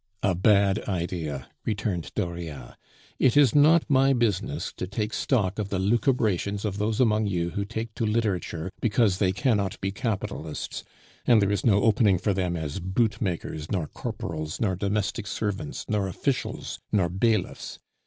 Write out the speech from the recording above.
"A bad idea," returned Dauriat. "It is not my business to take stock of the lucubrations of those among you who take to literature because they cannot be capitalists, and there is no opening for them as bootmakers, nor corporals, nor domestic servants, nor officials, nor bailiffs.